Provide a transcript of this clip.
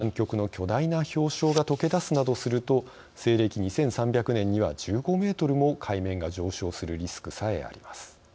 さらには、確率は低いものの南極の巨大な氷床がとけ出すなどすると西暦２３００年には１５メートルも海面が上昇するリスクさえあります。